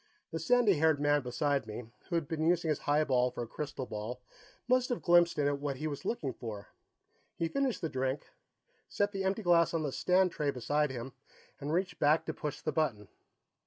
The sandy haired man beside me, who had been using his highball for a crystal ball, must have glimpsed in it what he was looking for. He finished the drink, set the empty glass on the stand tray beside him, and reached back to push the button.